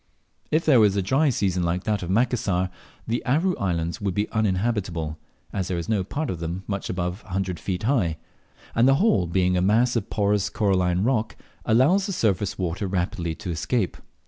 If there were a dry season like that of Macassar, the Aru Islands would be uninhabitable, as there is no part of them much above a hundred feet high; and the whole being a mass of porous coralline rock, allows the surface water rapidly to escape.